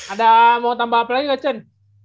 ada mau tambah apa lagi nggak chen